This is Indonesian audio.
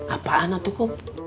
apaan itu cuk